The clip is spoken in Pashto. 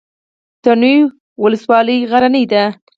تڼیو ولسوالۍ غرنۍ ده؟